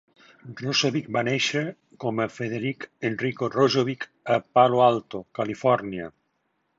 Rossovich va néixer com a Frederic Enrico Rossovich a Palo Alto, Califòrnia.